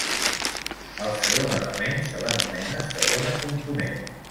Al segon element se l'anomena segona component.